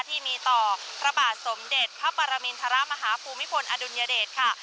ที่มีต่อพระบาทสมเด็จพระปรมินทรมาฮภูมิพลอดุลยเดชค่ะ